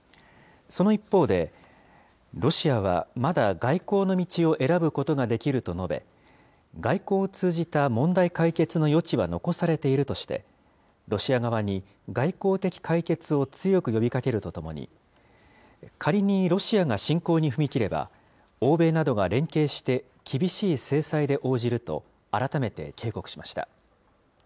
その一方で、ロシアはまだ外交の道を選ぶことができると述べ、外交を通じた問題解決の余地は残されているとして、ロシア側に外交的解決を強く呼びかけるとともに、仮にロシアが侵攻に踏み切れば、欧米などが連携して厳しい制裁で応じると、改めて警告しました。